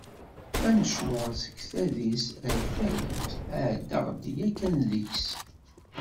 Amecwar seg tadist ar tarrawt, ɛeddaɣ-d yakkan deg-s.